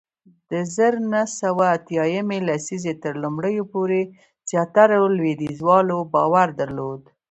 د زر نه سوه اتیا یمې لسیزې تر لومړیو پورې زیاترو لوېدیځوالو باور درلود